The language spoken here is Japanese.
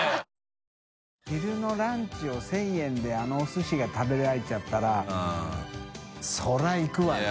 昼のランチを１０００円であのおすしが食べられちゃったらそれはいくわな。